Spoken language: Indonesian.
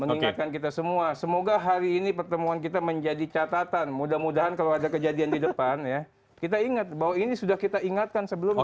mengingatkan kita semua semoga hari ini pertemuan kita menjadi catatan mudah mudahan kalau ada kejadian di depan ya kita ingat bahwa ini sudah kita ingatkan sebelumnya